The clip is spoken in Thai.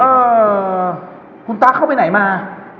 เอ่อคุณตาเข้าไปไหนมา